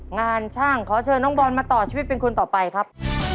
งานช่างขอเชิญน้องบอลมาต่อชีวิตเป็นคนต่อไปครับ